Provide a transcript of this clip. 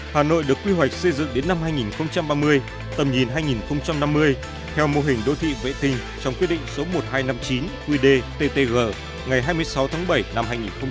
hà nội được quy hoạch xây dựng đến năm hai nghìn ba mươi tầm nhìn hai nghìn năm mươi theo mô hình đô thị vệ tinh trong quyết định số một nghìn hai trăm năm mươi chín qdttg ngày hai mươi sáu tháng bảy năm hai nghìn một mươi năm